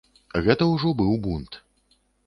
Гэта ўжо быў бунт.